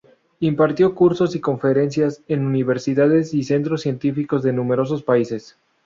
Impartió cursos y conferencias en universidades y centros científicos de numerosos países.